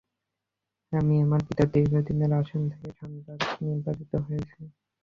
আমি আমার পিতার দীর্ঘদিনের আসন থেকে সাংসদ নির্বাচিত হয়েছি।